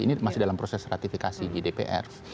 ini masih dalam proses ratifikasi di dpr